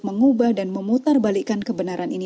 mengubah dan memutarbalikan kebenaran ini